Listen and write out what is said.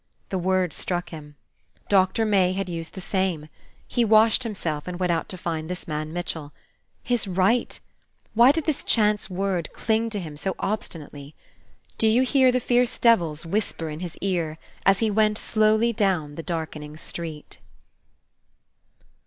The word struck him. Doctor May had used the same. He washed himself, and went out to find this man Mitchell. His right! Why did this chance word cling to him so obstinately? Do you hear the fierce devils whisper in his ear, as he went slowly down the darkening street?